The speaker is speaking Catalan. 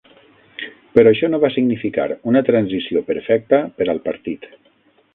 Però això no va significar una transició perfecta per al partit.